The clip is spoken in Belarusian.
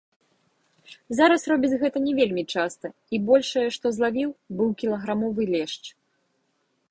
Зараз робіць гэта не вельмі часта і большае, што злавіў, быў кілаграмовы лешч.